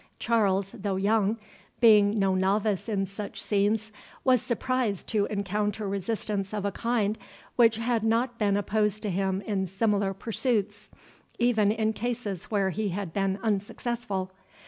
Charles, though young, being no novice in such scenes, was surprised to encounter resistance of a kind which had not been opposed to him in similar pursuits, even in cases where he had been unsuccessful.